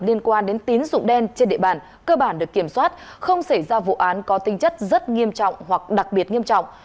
liên quan đến tín dụng đen trên địa bàn cơ bản được kiểm soát không xảy ra vụ án có tinh chất rất nghiêm trọng hoặc đặc biệt nghiêm trọng